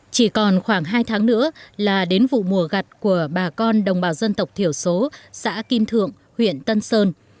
chỉ còn khoảng hai tháng nữa là đến vụ mùa gặt của bà con đồng bào dân tộc thiểu số xã kim thượng huyện tân sơn